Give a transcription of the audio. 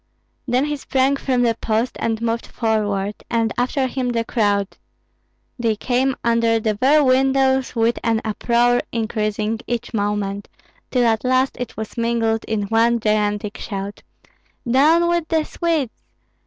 Then he sprang from the post and moved forward, and after him the crowd. They came under the very windows with an uproar increasing each moment, till at last it was mingled in one gigantic shout, "Down with the Swedes!